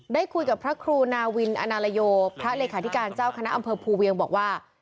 ได้คุยกับพระครูนาวินอนาลโยพระเลขาธิการเจ้าคณะอำเภอภูเวียงบอกว่า